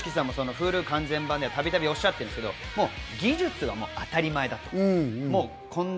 Ｈｕｌｕ完全版では、たびたびおっしゃってますけど、技術は当たり前だと。